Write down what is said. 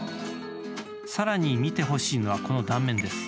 さらに、見てほしいのはこの断面です。